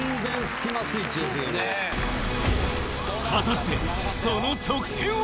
果たしてその得点は？